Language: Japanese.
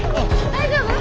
大丈夫？